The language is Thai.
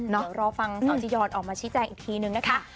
รอฟังสาวจียอนออกมาชี้แจงอีกทีนึงนะคะ